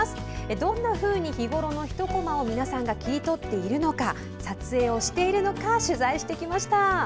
どんなふうに日ごろの一こまを皆さんが切り取っているのか撮影をしているのか取材してきました。